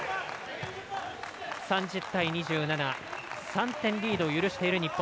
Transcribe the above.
３０対２７３点リードを許している日本。